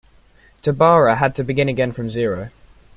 Tobarra had to begin again from zero.